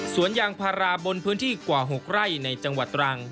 ยางพาราบนพื้นที่กว่า๖ไร่ในจังหวัดตรัง